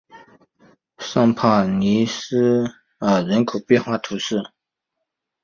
尚帕涅圣伊莱尔人口变化图示